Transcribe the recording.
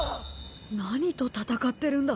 何と戦ってるんだ？